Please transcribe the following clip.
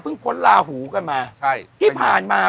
เพิ่งพ้นราหูกันมา